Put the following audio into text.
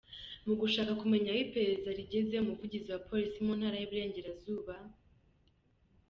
Mu gushaka kumenya aho iperereza rigeze, Umuvugizi wa Polisi mu Ntara y’Iburengerazuba, Supt.